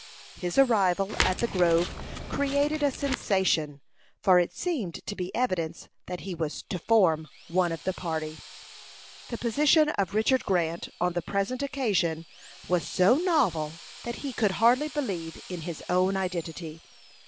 His arrival at the grove created a sensation, for it seemed to be evidence that he was to form one of the party. The position of Richard Grant on the present occasion was so novel that he could hardly believe in his own identity.